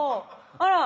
あら。